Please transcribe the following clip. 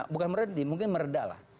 bukan berhenti mungkin meredah lah